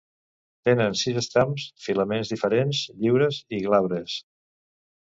Tenen sis estams, filaments diferents, lliures i glabres.